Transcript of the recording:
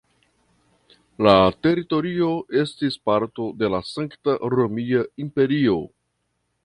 La teritorio estis parto de la Sankta Romia Imperio.